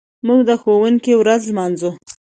موږ د ښوونکي ورځ لمانځو.